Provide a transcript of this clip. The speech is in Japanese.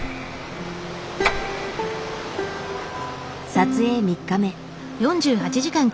撮影３日目。